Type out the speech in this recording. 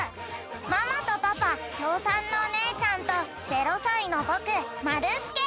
ママとパパ小３のおねえちゃんと０さいのぼくまるすけ。